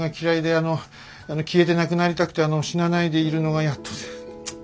あの消えてなくなりたくてあの死なないでいるのがやっとで。